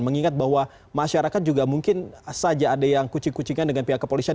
mengingat bahwa masyarakat juga mungkin saja ada yang kucing kucingan dengan pihak kepolisian